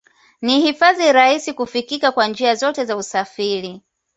Ni hifadhi rahisi kifikika kwa njia zote za usafiri